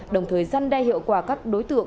đồng thời dăn đe hiệu quả các đối tượng